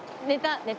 寝た。